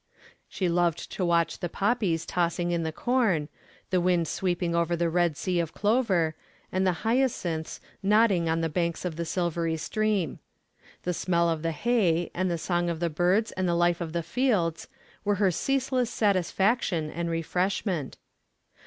She loved to watch the poppies tossing in the corn, the wind sweeping over the red sea of clover, and the hyacinths nodding on the banks of the silvery stream. The smell of the hay and the song of the birds and the life of the fields were her ceaseless satisfaction and refreshment.